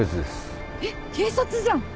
えっ警察じゃん。